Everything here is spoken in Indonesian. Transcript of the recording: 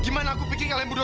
gimana aku pikir kalian berdua